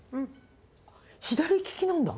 左利きなんだ。